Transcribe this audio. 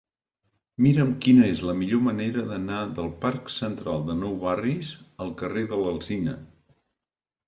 Mira'm quina és la millor manera d'anar del parc Central de Nou Barris al carrer de l'Alzina.